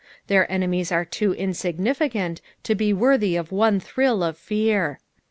Tbeir enemies are too iDsignifictuit to be worthy of one thrill of fear.